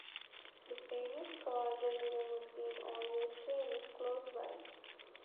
The famous Khawaja Nizamuddin Aulia shrine is close by.